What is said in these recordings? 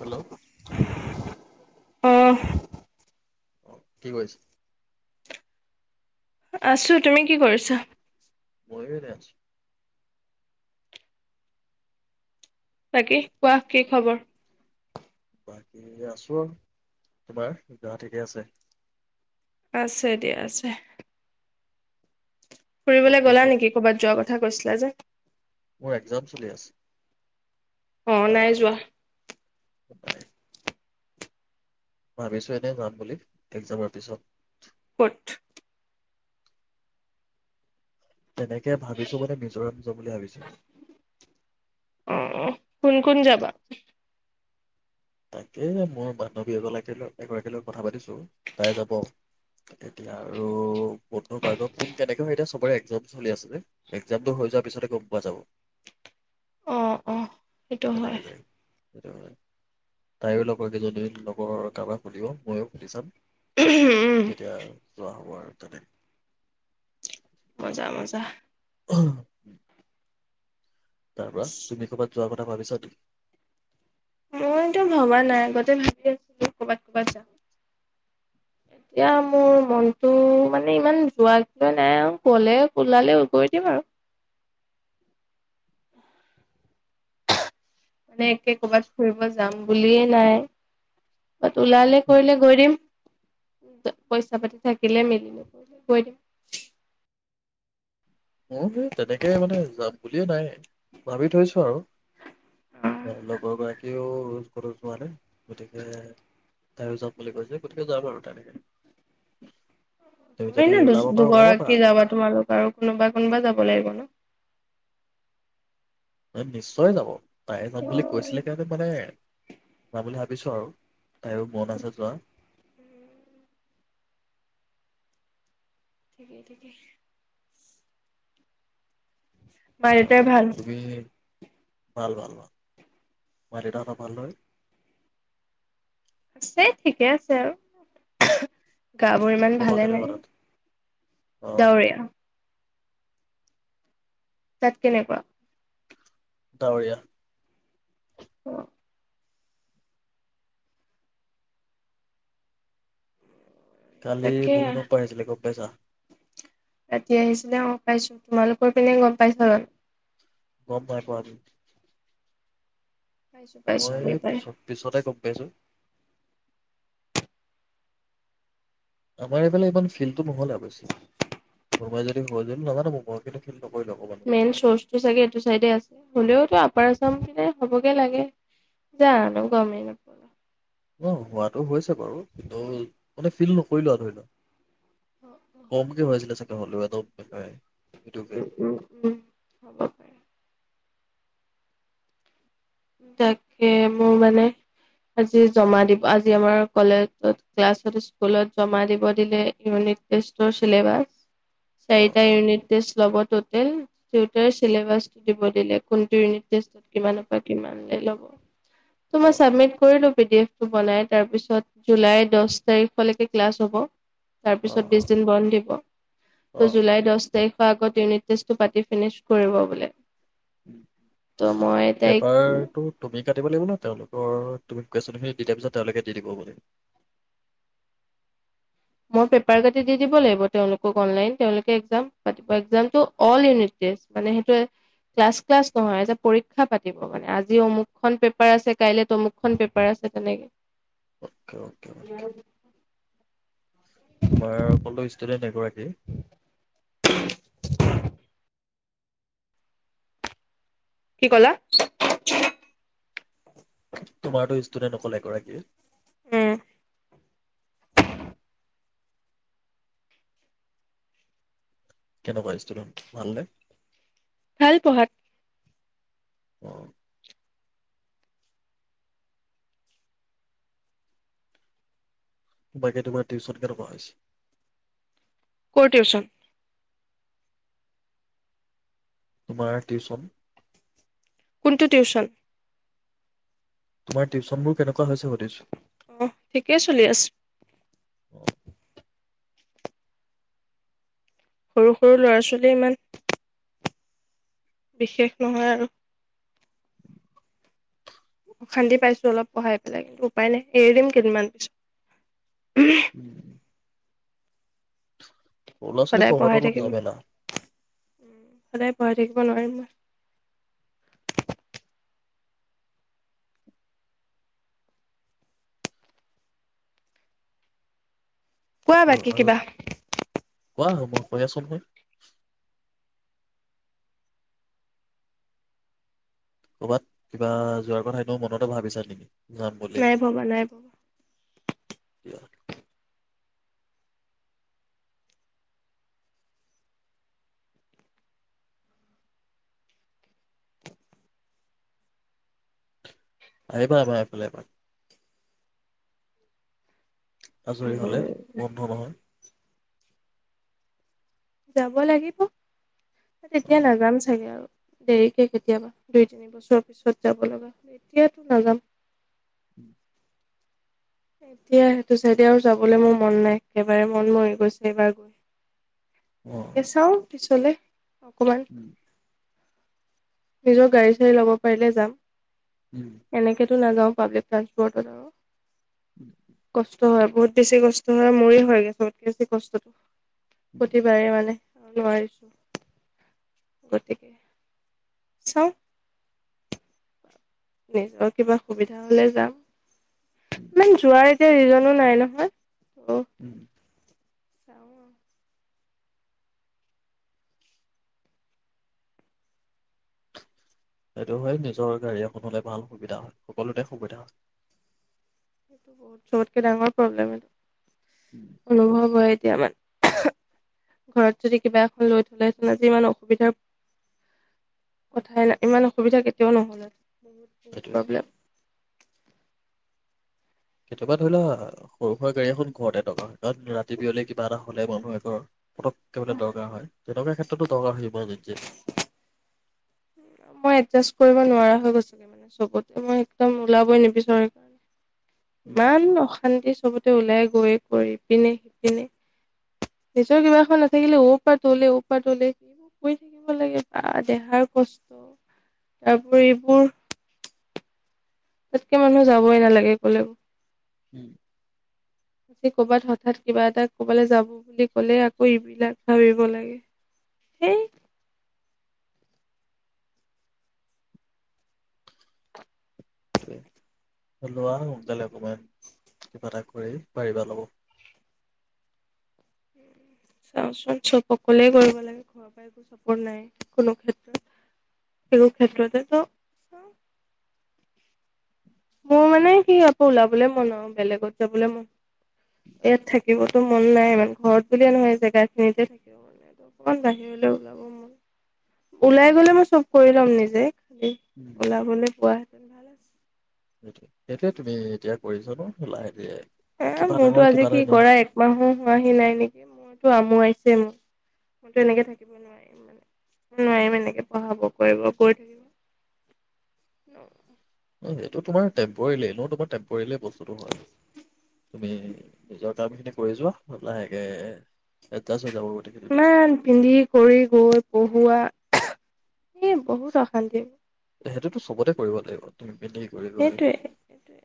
Hello হু হু উমহ অ কি কৰিছে আছো তুমি কি কৰিছা মইও এনেই আছো তাকে কোৱা কি খবৰ বাকী আছো আৰু তোমাৰ গা ঠিকেই আছে। আছে দিয়া আছে। ফুৰিব ডক্তৰ গলা ওচৰত নেকি ক'ৰবাত যোৱাৰ কথা কৈছিলা। ক্লাজেক মোৰ একজাম চলি আছে। অ নাই যোৱা টত বাই ভাবিছো এনে যাম বুলি এক্জামৰ পিছত। কত? তেনেকে ভাবিছো মানে মিজোৰাম যাম বুলি ভাবিছো। অ কোন কোন যাবা? তাকে মোৰ বান্ধৱী এগলাকীৰ-এগৰাকীৰ লগত কথা পাতিছো, তাই যাব এতিয়া আৰু বন্ধুবাৰ্গত কোন কেনেকৈ হয় এতিয়া চবৰে এক্জাম চলি আছে যে, এক্জামটো হৈ যোৱাৰ পিছতে গম পোৱা যাব। এইটো হয়। কেনেকে যায় সেইটো হয় ন তাইও লগৰ কেইজনীৰ লগৰৰ কাৰোবাক সুধিব, ময়ো সুধি চাম উম তেতিয়া যোৱা হব আৰু তেনেকে মজা -মজা অ, তাৰ পৰা তুমি ক'ৰবাত যোৱাৰ কথা ভাবিছা নি? মইতো ভবা নাই আগতে ভাবি আছিলো কৰ'বাত- ক'বাত যাম। এতিয়া মোৰ মনটো মানে ইমান যোৱা নাই আৰু গলে ওলালে উগৰি দিম আৰু আহ ', মানে একে কৰ'বাত ফুৰিব যাম বুলিয়ে নাই। কত ওলালে কৰিলে গৈ দিম। যা ', পইচা পাতি থাকিলে মিলি ল কৈ দিম। মোৰ সেই তেনেকে মানে যাম বুলিও নাই ভাবি থৈছো আৰু লগৰ গৰাকীও কতো যোৱা নাই, গতিকে তাইও যাম বুলি কৈছে গতিকে যাম আৰু তেনেকে। তুমি যদি নে ', দু ওলাব পাৰা ওলাব পাৰা -দুগৰাকী মোৰ যাবা লগত তোমালোক আৰু কোনোবা? কোনোবা যাব লাগিব ন? তাই নিশ্চয় যাব। পায়ে যাম বুলি কৈছিলে কাৰণে, মানে পাবলে হাক ভাবিছো আৰু তাইৰো মন আছে যোৱা। ঠিকেই- ঠিকেই মা দেউতাৰ তাৰপৰা ভাল তুমি? ভাল -ভাল -ভাল মা দেউতাহঁতৰ ভাল নহয়? আছে ঠিকে আছে আৰু। গা বোৰ ইমান বতৰ ভালে কেনেকুৱা নাই তাত অ ডাৱৰীয়া তাত কেনেকুৱা? ডাৱৰীয়া অ', কালি তাকে। ভূমিকম্প আহিছিলে গম পইছা ৰাতি আহিছিলে অ', পাইছো তোমালোকৰ পিনে গম পাইছ? [inaudible] পাইছো পাইছো মই আমি পাই। পিছত -পিছতে গম পাইছো। আমাৰ এইফালে ইমান ফিল্ডটো নহলে অৱশ্যে', কোনোবাই যদি হ যদি নাজানো ম মই কিন্তু ফিল মেইন চৰ্চটো চাগে এইটো চাইডে আছে হ'লেও আপাৰ আ', গম পিনে হ'বগে লাগে যা আৰু গমেই নাপালা অ ', হোৱাাতো হৈছে। হৈছে', বাৰু কিন্তু? মানে ফিল নকৰিলো আৰু ধৰিল অ। কম কি ভৰাইছিলে চাগে? নহলে এটাও দেখাই। উম উম উম হ'ব পাৰে তাকে মোৰ মানে আজি জমা দিব আজি আমাৰ কলেজত ক্লাছত স্কুলত জমা দিব দিলে ইউনিট টেষ্টৰ চিলেবাছ অ চাৰিটা অ ইউনিট টেষ্ট লগত টোটেল চিলেবাছ টো দিব দিলে কিন্তু ইউনিট টেষ্টত কিমান হব বা কিমান দি ল'ব ত অ মই চাবমিট কৰিলো পি দি এফ বনাই তাৰপিছত জুলাই দহ তাৰিখলৈকে ক্লাছ হ'ব অ অ তাৰপিছত বিশ দিন বন্ধ দিব অ অ। জুুলাই দশ তাৰিখৰ আগত ইউনিট টেষ্টটো পাতি ফিনিছ কৰিব বোলে ত' মই তাই টো তুমি কাটিলা দিব লাগিব ন তেওঁলোকৰ তুমি কুৱেশ্যনখিনি দি দিয়াৰ পিছত তেওঁলোকে দি দিব' লাগিব মই পেপাৰ কাটি দি দিব লাগিব তেওঁলোকক অনলাইন তেওঁলোকে এক্সাম টো অল ইউনিট টেষ্ট মানে সেইটোৱে ক্লাছ টলাস্ত নহয় যে পৰীক্ষা পাতিব মানে আজি অমুকখন পেপাৰ আছে কাইলৈ অমুকখন পেপাৰ আছে তেনেকে অ'কে অ'কে অকে তোমাৰ ক'লো ষ্টুডেন্ট এগৰাকী কি ক'লা? তোমাৰতো ষ্টুডেন্ট অকল এগৰাকীয়ে। উম। কেনেকুৱা ষ্টুডেণ্ট, ভাল নে? ভাল পঢ়াত। অ বাকী তোমাৰ টিউচন কেনেকুৱা হৈছে? ক'ৰ টিউচন? তোমাৰ টিউচন? কোনটো টিউচন? তোমাৰ টিউচনবোৰ কেনেকুৱা হৈছে সুধিছো! অহ ঠিকেই চলি আছে। সৰু সৰু ল'ৰা-ছোৱালীয়ে ইমান বিশেষ নহয় আৰু। অশান্তি পাইছো অলপ পঢ়াই পেলাই কিন্তু উপায় নাই, এৰি দিম কেইদিনমান পিছত। উম সৰু ল'ৰা-ছোৱালীক সদায় পঢ়োৱাটো পঢ়াই অলপ থাকিম ঝামেলা। সদায় পঢ়াই থাকিব নোৱাৰিম মই। কোৱা বাকী আৰু কিবা। কোৱা [unintelligible] মই কৈ আছো নহয়! ক'বাত কিবা যোৱাৰ কথা এনেই মনতে ভাবিছা নেকি? যাম নাই ভবা নাই ভবা। দিয়া আহিবা আমাৰ এইফালে এপাক। আজৰি হ'লে উম, বন্ধ নহয়? যাব লাগিব। তেতিয়া অ', নাযাম চাগে আৰু। দেৰিকে কেতিয়াবা দুই-তিনি বছৰৰ পিছত যাব লগা হ'লে, এতিয়াতো নাযাম। [unintelligible] এতিয়া সেইটো চাইদে আৰু যাবলৈ মোৰ মন নাই। একেবাৰে মন মৰি গৈছে এইবাৰ গৈ। অ'। গতিকে অ। চাওঁ কিছু! [unintelligible] অকমান উম, নিজৰ গাড়ী-চাড়ী ল'ব পাৰিলে যাম। উম, এনেকেতো নাযাও। পাব্লিক ট্ৰান্সপ'ৰ্টত আৰু উম, কচ কষ্ট হয় বহুত বেছি কষ্ট হয় মোৰে হয়গৈ চবতকে বেছি কষ্টটো উম, প্ৰতিবাৰে মানে নোৱাৰিছো গতিকে চাও নিজৰ কিবা সুবিধা হলে যাম উম, মানে যোৱাৰেত ৰিজনো নাই নহয় উম চাও আও সেইটো হয় নিজৰ গাড়ী এখন হলে ভাল সুবিধা হয় সকলোতে সুবিধা হয়। এইটো বহুত চবতকে ডাঙৰ প্ৰব্লেম এইটো উম, অনুভৱ হয় এতিয়া মানে ঘৰত যদি কিবা এখন লৈ থলেহেঁতেন আজি ইমান অসুবিধাৰ কথাই নাই ইমান অসুবিধা কেতিয়াও নহল বহুত বহুত সেইটোৱে প্ৰব্লেম কেতিয়াবা ধৰি লোৱা সৰু সুৰা গাড়ী এখন ঘৰতে দৰকাৰ হয় কাৰণ ৰাতি বিয়লি কিবা এটা হলে মানুহ এঘৰত পটক কে মানে দৰকাৰ হয় তেনেকোৱা ক্ষেত্ৰতো দৰকাৰ হৈ [unintelligible] মই এডজাষ্ট কৰিব নোৱাৰা হৈ গৈছো মানে চবতে মই একদম ওলাবই নিবিচাৰো সেইকাৰণে উম, ইমান অশান্তি চবত ওলাই গৈ কৰিপিনে সিপিনে নিজৰ কিবা এখন নাথাকিলে পৰা তলে পৰা তলে সেইবোৰ কৰি থাকিব লাগে বা দেহাৰ কষ্ট তাৰপৰি এইবোৰ তাতকে মানুহ যাবই নালাগে কলেও উম কৰ'বাত হঠাৎ কিবা এটা কৰবালৈ যাব বুলি ক'লে আকৌ এইবিলাক ভাবিব লাগে সেই লোৱা সোনকালে একনমান কিবা এটা কৰি পাৰিবা ল'ব চাওঁচোন চব সকলোৱে কৰিব লাগে ঘৰৰ পৰা একো চাপৰ্ট নাই কোনো ক্ষেত্ৰত সেই ক্ষেত্ৰতেতো চাও মোৰ মানে সি আকৌ ওলাবলৈ মন আৰু বেলেগত যাবলৈ মন ইয়াত থাকিবতো মন নাই ইমান ঘৰত বুলিয়ে নহয় জেগা খিনিতে থাকিব মন নাই অকমান বাহিৰলৈ ওলাব মন ওলাই গলে মই চব কৰি লম নিজে উম ওলাবলৈ পোৱাত ভাল আছে সেইটো সেইটোয়ে তুমি এতিয়া কৰিছ ন লাহেকে হ মোৰতো আজি কি কৰা একমাহো হোৱাহি নাই নেকি মইতো আমোবাইছে উম মইতো এনেকে থাকিব নোৱাৰিম মানে মই নোৱাৰিম এনেকে পঢ়াব কৰিব কৰি থাকিব ন সেইটো তোমাৰ টেম্প'ৰেলি এনেো তোমাৰ টেম্প'ৰেলি বস্তুটো হয় তুমি নিজৰ কামখিনি কৰি যোৱা লাহেকৈ এডজাষ্ট হৈ যাব গোটেইখিনি বস্তু ইমান পিন্ধি কৰি গৈ পঢ়োৱা এ বহুত অশান্তি সেইটোতো চবতে কৰিব লাগিব তুমি মেলি কৰিব হয় সেইটোৱে সেইটোৱে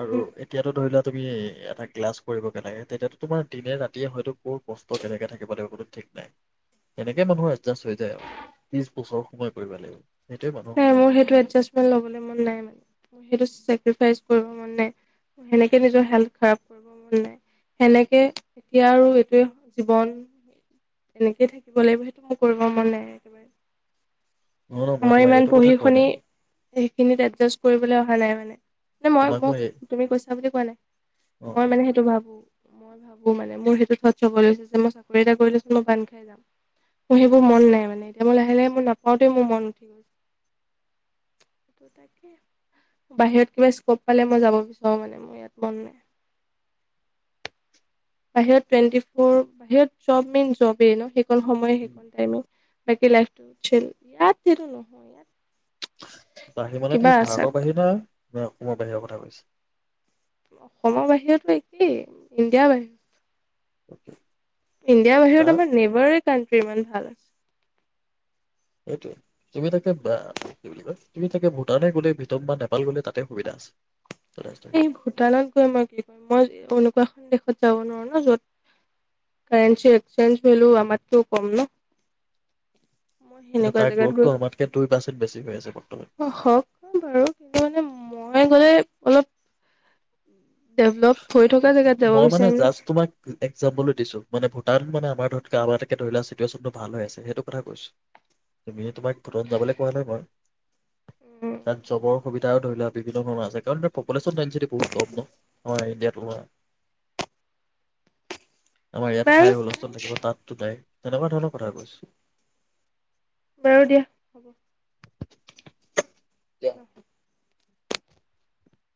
আৰু এতিয়াতো ধৰি লোৱা তুমি এটা ক্লাছ কৰিব লাগে তেতিয়াতো তোমাৰ দিনে ৰাতিয়ে হয়তো কৰ কষ্ট কেনেকে থাকিব লাগিব কোনো ঠিক নাই সেনেকে নহয় এডজাষ্ট হৈ যায় আৰু ত্ৰিছ বছৰ সময় কৰিব লাগিব। সেইটোৱে মানুহক এই সময় মোৰ সেইতো এডজাষ্ট লবলে মন নাই মোৰ ৰিভাইচ পঢ়িব মন নাই সেনেকে নিজৰ হেলখাৰাব কৰিব মন নাই সেনেকে এতিয়া আৰু এইটোৱে জীৱন। তেনেকেই থাকিব লাগিব সেইটো মোৰ কৰিব মন নাই একেবাৰে ন ন মই তোমাৰ ইমান এইটো কথা পঢ়ি কোৱা শুনি নাই সেইখিনিত এডজাষ্ট কৰিবলৈ অহা ভালে মানে মানে মই মোক তুমি কৈছা বুলি কোৱা নাই অ মই মানে সেইটো ভাবো মই ভাবো মানে মোৰ সেইটো ধৰ্যবোৰ লৈ যে মই চাকৰি এটা কৰি লৈ লৈছিলো মই বান্ধ খাই যাম মোৰ সেইবোৰ মন নাই মানে এতিয়া মই লাহে লাহে মই নাপাওঁতেই মোৰ মন ঠিক আছে তাকে বাহিৰত কিবা স্কপ পালে মই যাব বিচাৰো মানে মোৰ ইয়াত মন নাই বাহিৰত টুৱেণ্টি ফৰ বাহিৰত জব মেইন জবেই ন সেইখন সময় সেইখন টাইমত বাকী লাইফটো স্কিল ইয়াত দিলো নহয় ইয়াত বাহিৰ মানে কিবা আছে। ভাৰতৰ বাহিৰ নে মই অসমৰ বাহিৰৰ কথা কৈছ অসমৰ বাহিৰতো একেই ইণ্ডিয়াৰ বাহিৰত ওকে ইণ্ডিয়াৰ বাহিৰত আমাৰ লেবাৰে কাণ্ট্ৰি ইমান ভালত আছে সেইটোৱে তুমি তাকে কি বুলি কয় তুমি তাকে ভূটানলে গলে ভিতত বা নেপাল গলে তাতে সুবিধা আছে। এই যথেষ্টখিনি ভূটানত গৈ মই কি কৰিম মই এনেকুৱা এখন দেশত যাব নোৱাৰো ন য'ত কাৰেণচে এক্সেঞ্জ কৰিলো আমাৰতকৈয়ো কম ন মই কিন্তু সেনেকুৱা তাৰ জেগাত গ্ৰথটো আমাতকে দুই পাৰ্চেণ্ট বেছি হৈ আছে বৰ্তমান গৈ হক বাৰু কিন্তু মানে মই গলে অলপ ডেভলপ হৈ থকা জেগাত যাব মই মানে বিচাৰিম জাষ্ট তোমাক একজামপোলটো দিছো মানে ভূ তাত মানে আমাৰ ধৰণতকৈ কাম এটাকে ধৰি লোৱা চিটুৱেশ্যনটো ভাল হৈ আছে সেইটো কথা কৈছোঁ তুমি তোমাক ভূটান যাবলৈ কোৱা নাই মই ন তাত জবৰ সুবিধাও ধৰি লোৱা বিভিন্ন ধৰণৰ আছে কাৰণ প্ৰপোলেচন বহুত কম ন আমাৰ ইন্দিয়াতকে [unintelligible] আমাৰ ইয়াত হাই বাৰু হুলস্থূল থাকিব তাততো নাই তেনেকুৱা ধৰণৰ কথা কৈছো বাৰু দিয়া হ'ব এতিয়া ন